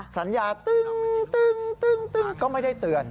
สัญญาตึ้งก็ไม่ได้เตือน